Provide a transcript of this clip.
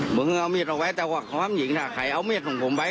ไม่ค่อยเอาเม็ดออกไปแต่ว่าการบังอย่างนี้ถ้าใครเอาเม็ดของผมไป